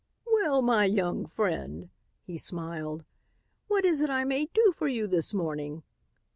"Well, my young friend," he smiled, "what is it I may do for you this morning?